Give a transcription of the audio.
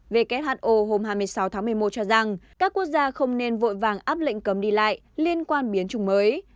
who hôm hai mươi sáu tháng một mươi một cho rằng các quốc gia không nên vội vàng áp lệnh cấm đi lại liên quan biến chủng mới